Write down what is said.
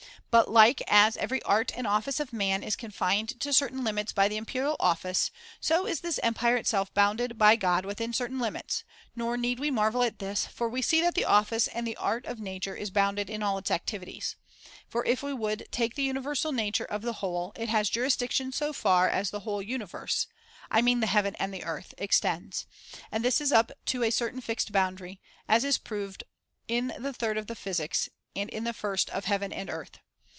But like as every art and office of man is confined to certain limits by the imperial office, so is this empire itself bounded by God within certain limits ; nor need we marvel at this, for we see that the office and the art of ] nature is bounded in all its activities. For if we would take the universal nature of the whole, it has jurisdiction so far as the whole universe — I mean the heaven and the earth — extends ; and this is up to a certain fixed boundary, as is proved in the third of the Physics and in the first Of Heaven and Earth.